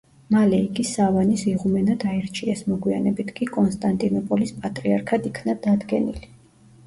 მალე იგი სავანის იღუმენად აირჩიეს, მოგვიანებით კი კონსტანტინოპოლის პატრიარქად იქნა დადგენილი.